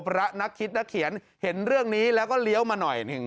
พระนักคิดนักเขียนเห็นเรื่องนี้แล้วก็เลี้ยวมาหน่อยหนึ่ง